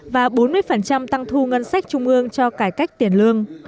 và bốn mươi tăng thu ngân sách trung ương cho cải cách tiền lương